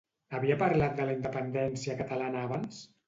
Havia parlat de la independència catalana abans?